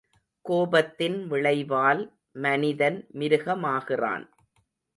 கோபத்தின் விளைவால், மனிதன் மிருகமாகிறான்.